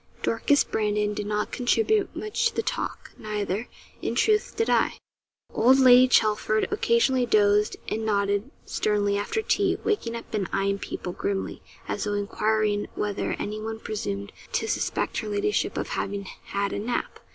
Dorcas Brandon did not contribute much to the talk; neither, in truth, did I. Old Lady Chelford occasionally dozed and nodded sternly after tea, waking up and eyeing people grimly, as though enquiring whether anyone presumed to suspect her ladyship of having had a nap.